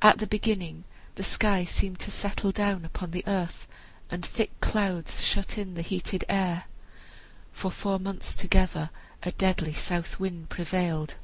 At the beginning the sky seemed to settle down upon the earth, and thick clouds shut in the heated air. For four months together a deadly south wind prevailed.